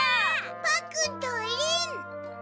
パックンとリン！